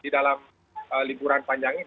di dalam liburan panjang ini